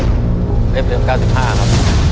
เรื่อง๙๕ครับ